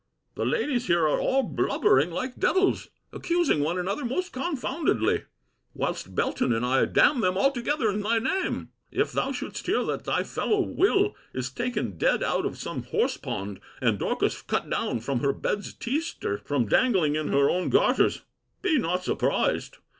The ladies here are all blubbering like devills, accusing one another most confoundedly: whilst Belton and I damn them all together in thy name. If thou shouldst hear that thy fellow Will. is taken dead out of some horse pond, and Dorcas cut down from her bed's teaster, from dangling in her own garters, be not surprised.